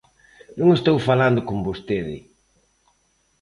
Non estou falando con vostede.